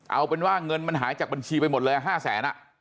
เอาเป็นว่าเงินมันหายจากบัญชีไปหมดเลย๕แสน